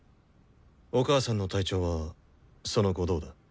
お母さんの体調はその後どうだ？